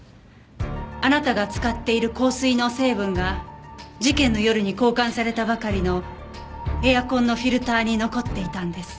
あなたが使っている香水の成分が事件の夜に交換されたばかりのエアコンのフィルターに残っていたんです。